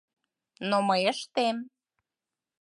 Но мый ыштем.